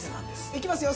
いきますよ